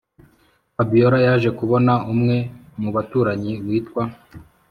fabiora yaje kubona umwe mubaturanyi witwa